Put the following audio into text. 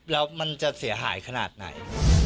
แล้วมันจะเสียหายขนาดไหน